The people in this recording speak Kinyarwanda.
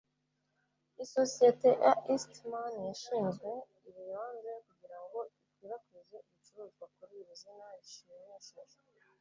Isosiyete ya Eastman yashinzwe i Londres kugirango ikwirakwize ibicuruzwa kuri iri zina rishimishije